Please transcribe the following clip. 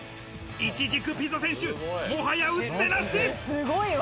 イチジクピザ選手、もはや打つ手なし。